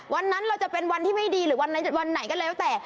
วันนั้นเราจะเป็นวันที่ไม่ดีหรือวันไหนก็แล้วแต่